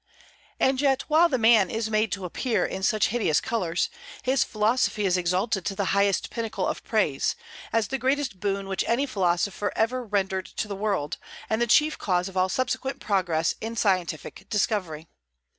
And yet while the man is made to appear in such hideous colors, his philosophy is exalted to the highest pinnacle of praise, as the greatest boon which any philosopher ever rendered to the world, and the chief cause of all subsequent progress in scientific discovery.